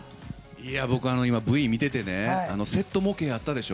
僕はＶを見ててセット模型、あったでしょ。